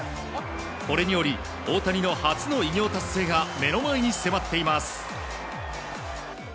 これにより大谷の初の偉業達成が目の前に迫っています。